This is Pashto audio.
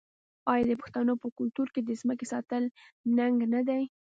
آیا د پښتنو په کلتور کې د ځمکې ساتل ننګ نه دی؟